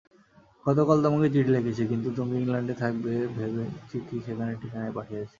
গতকাল তোমাকে চিঠি লিখেছি, কিন্তু তুমি ইংল্যাণ্ডে থাকবে ভেবে চিঠি সেখানের ঠিকানায় পাঠিয়েছি।